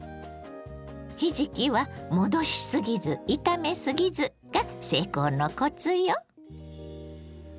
ひじきは戻しすぎず炒めすぎずが成功のコツよ！